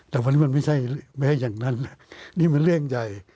แต่วันนี้มันไม่ใช่ไม่ให้อย่างนั้นนี่มันเรื่องใหญ่